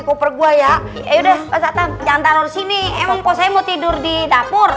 koper gua ya ya udah pasang jangan taruh sini emang kok saya mau tidur di dapur